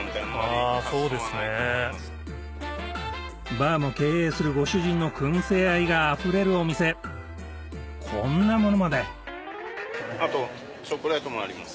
バーも経営するご主人の燻製愛が溢れるお店こんなものまであとチョコレートもあります。